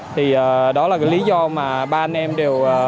thì đó là cái lý do mà ba anh em đều